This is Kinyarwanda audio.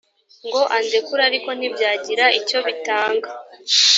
ngo andekure ariko ntibyagira icyo bitanga